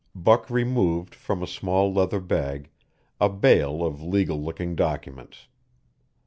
Buck removed from a small leather bag a bale of legal looking documents.